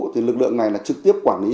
thì lực lượng này là trực tiếp quản lý